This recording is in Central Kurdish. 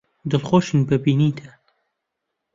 دڵخۆشین بە بینینتان.